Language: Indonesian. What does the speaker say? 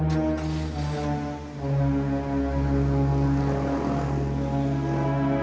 kau masih ingat sama saya